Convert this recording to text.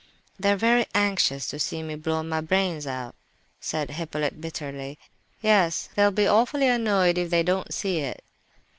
"They are very anxious to see me blow my brains out," said Hippolyte, bitterly. "Yes, they'll be awfully annoyed if they don't see it."